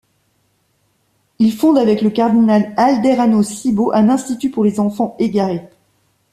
Il fonde avec le cardinal Alderano Cibo un institut pour les enfants égarés.